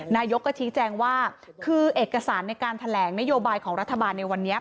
นายกก็ชี้แจงว่าคือเอกสารในการแถลงนโยบายของรัฐบาลในวันนี้